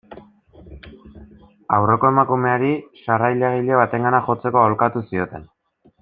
Aurreko emakumeari, sarrailagile batengana jotzeko aholkatu zioten.